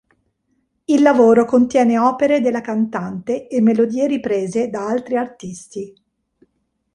Il lavoro contiene opere della cantante e melodie riprese da altri artisti.